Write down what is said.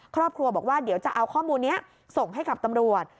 ครอบครัวบอกว่าเดี๋ยวจะเอาข้อมูลนี้ส่งให้กับตำรวจ